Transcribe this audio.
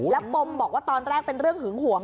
แล้วปมบอกว่าตอนแรกเป็นเรื่องหึงหวง